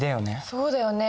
そうだよね。